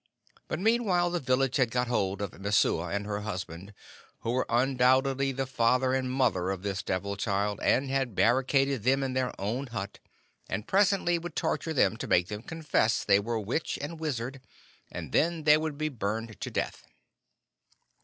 But meantime the village had got hold of Messua and her husband, who were undoubtedly the father and mother of this Devil child, and had barricaded them in their own hut, and presently would torture them to make them confess they were witch and wizard, and then they would be burned to death.